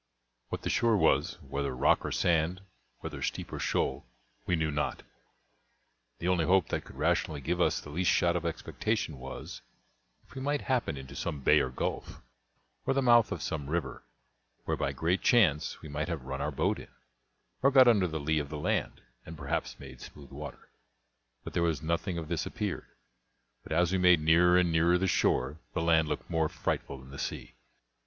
What the shore was, whether rock or sand, whether steep or shoal, we knew not; the only hope that could rationally give us the least shadow of expectation was, if we might happen into some bay or gulf, or the mouth of some river, where by great chance we might have run our boat in, or got under the lee of the land, and perhaps made smooth water. But there was nothing of this appeared; but as we made nearer and nearer the shore, the land looked more frightful than the sea.